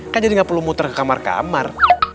kan jadi nggak perlu muter ke kamar kamar